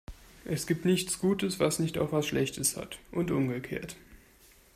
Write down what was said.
Es gibt nichts Gutes, was nicht auch was Schlechtes hat, und umgekehrt.